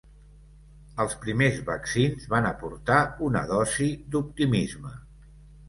Els primers vaccins van aportar una dosi d’optimisme.